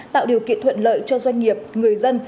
tạo điều kiện thuận lợi cho doanh nghiệp người dân